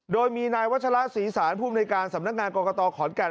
โดยมีนายวัชละศรีศาลภูมิในการสำนักงานกรกตขอนแก่น